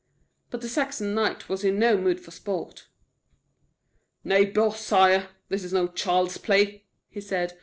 But the Saxon knight was in no mood for sport. "Nay, beausire; this is no child's play," he said.